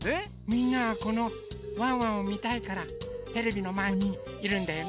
みんなはこのワンワンをみたいからテレビのまえにいるんだよね？